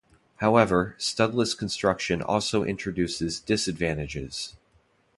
However, studless construction also introduces disadvantages.